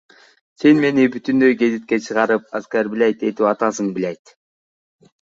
Сен мени бүтүндөй гезитке чыгарып оскорблять этип атасың, блядь.